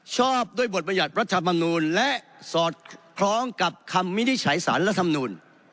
ชอบด้วยบทบรรยัติรัฐธรรมนูลและสอดคล้องกับคำวินิจฉัยสารรัฐมนูล